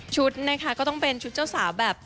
นะคะก็ต้องเป็นชุดเจ้าสาวแบบ